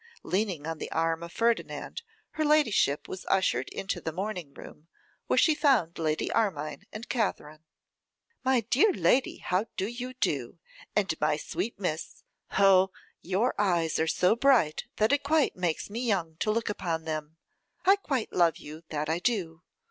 Leaning on the arm of Ferdinand, her ladyship was ushered into the morning room, where she found Lady Armine and Katherine. 'My dear lady, how do you do? And my sweet miss! Oh! your eyes are so bright, that it quite makes me young to look upon them! I quite love you, that I do.